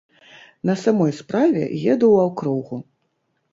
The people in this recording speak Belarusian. На самой справе, еду ў акругу.